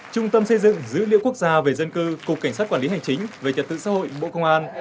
trung tâm xây dựng dữ liệu quốc gia về dân cư cục cảnh sát quản lý hành chính về trật tự xã hội bộ công an